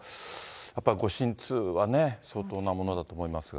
やっぱりご心痛はね、相当なものだと思いますが。